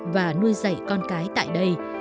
và nuôi dạy con cái tại đây